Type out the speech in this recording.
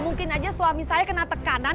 mungkin saja suami saya kena tekanan